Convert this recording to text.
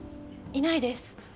いないです